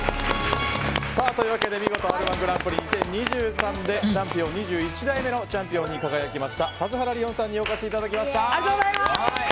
見事「Ｒ‐１グランプリ２０２３」で２１代目のチャンピオンに輝きました田津原理音さんにお越しいただきました。